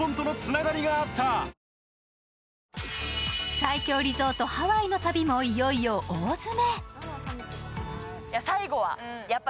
最強リゾート・ハワイの旅もいよいよ大詰め。